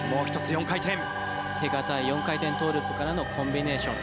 ４回転トウループからのコンビネーション。